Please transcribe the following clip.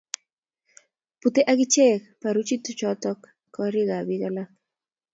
butei ak ichek barutichoto koriikab biik alak